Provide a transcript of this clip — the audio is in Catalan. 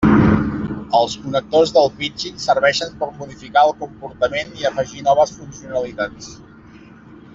Els connectors del Pidgin serveixen per modificar el comportament i afegir noves funcionalitats.